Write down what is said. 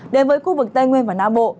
đến với khu vực tây nguyên và nam bộ